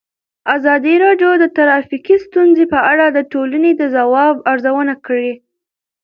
ازادي راډیو د ټرافیکي ستونزې په اړه د ټولنې د ځواب ارزونه کړې.